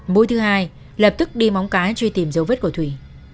mũi thứ hai lập tức đi móng cái truy tìm dấu vết của thủy